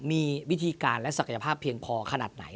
มีวิธีการและศักยภาพเพียงพอขนาดไหน